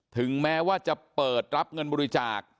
ถึงแม้ว่าจะเปิดรับเงินบริจาค